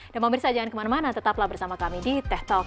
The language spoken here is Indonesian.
dan mau beri sajian kemana mana tetaplah bersama kami di teh talk